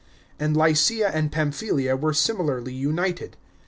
and Lycia and Pamphylia were similarly united.